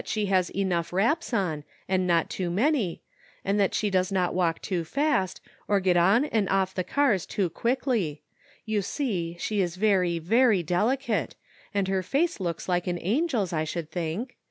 she has enough wraps on, and not too many, and that she does not walk too fast, nor get on and off the cars too quickly ; you see she is very, ver}' delicate, and her face looks like an angel's, I should think.